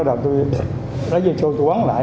rồi tôi lấy dây chô quắn lại